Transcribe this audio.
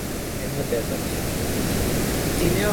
এই অগ্নিকাণ্ডে যে সীতারামের হাত ছিল, তাহা বলাই বাহুল্য।